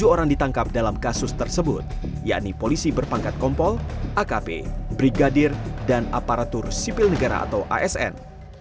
tujuh orang ditangkap dalam kasus tersebut yakni polisi berpangkat kompol akp brigadir dan aparatur sipil negara atau asn